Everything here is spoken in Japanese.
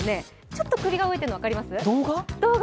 ちょっと首が動いているの分かります？